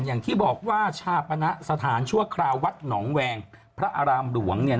อย่างที่บอกว่าชาปณะสถานชั่วคราววัดหนองแวงพระอารามหลวง